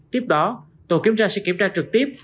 tiếp đó tổ kiểm tra sẽ kiểm tra trực tiếp